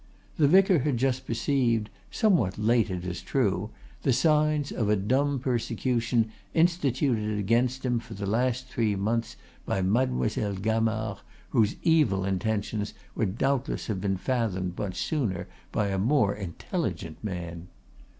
The vicar had just perceived, somewhat late it is true, the signs of a dumb persecution instituted against him for the last three months by Mademoiselle Gamard, whose evil intentions would doubtless have been fathomed much sooner by a more intelligent man.